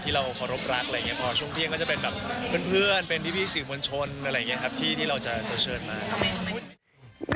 เราเคารพรักอะไรอย่างนี้พอช่วงเที่ยงก็จะเป็นแบบเพื่อนเป็นพี่สื่อมวลชนอะไรอย่างนี้ครับที่เราจะเชิญมา